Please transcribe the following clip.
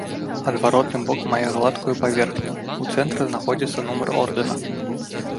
Адваротны бок мае гладкую паверхню, у цэнтры знаходзіцца нумар ордэна.